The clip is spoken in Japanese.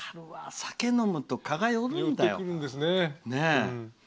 酒飲むと、蚊が寄るんだよ。